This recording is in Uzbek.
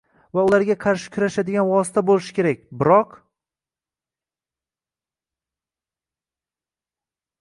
va ularga qarshi kurashadigan vosita bo‘lishi kerak. Biroq...